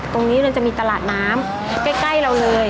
ตรงนี้เลยจะมีตลาดน้ำใกล้เราเลย